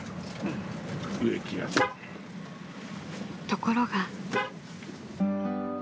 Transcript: ［ところが］